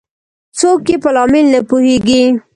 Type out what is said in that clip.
څوک یې په لامل نه پوهیږي